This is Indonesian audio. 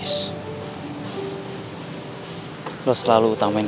lo selalu utamin kepentingan orang lain lo selalu utamin kepentingan orang lain